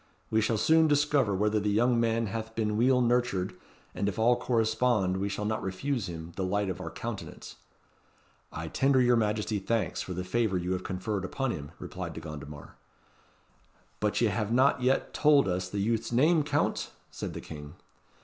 We shall soon discover whether the young man hath been weel nurtured, and if all correspond we shall not refuse him the light of our countenance." "I tender your Majesty thanks for the favour you have conferred upon him," replied De Gondomar. "But ye have not yet tauld us the youth's name, Count?" said the King.